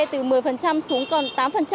từ một mươi xuống còn tám